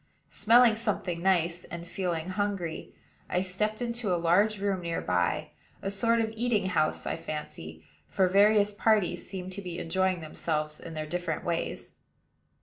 Smelling something nice, and feeling hungry, I stepped into a large room near by, a sort of eating house, I fancy; for various parties seemed to be enjoying themselves in their different ways.